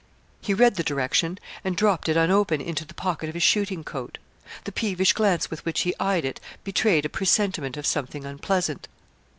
He read the direction, and dropped it unopened into the pocket of his shooting coat. The peevish glance with which he eyed it betrayed a presentiment of something unpleasant.